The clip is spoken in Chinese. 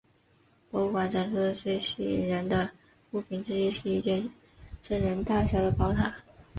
博物馆展出的最吸引人的物品之一是一件真人大小的宝塔。